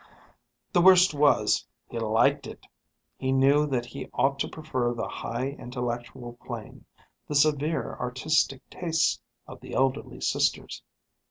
The worst was, he liked it. He knew that he ought to prefer the high intellectual plane, the severe artistic tastes, of the elderly sisters.